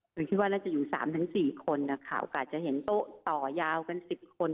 คือว่าน่าจะอยู่๓๔คนโอกาสจะเห็นโต๊ะต่อยาวกัน๑๐คน